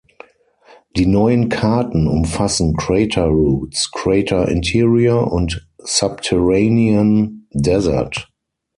Die neuen Karten umfassen Crater Routes, Crater Interior und Subterranean Desert.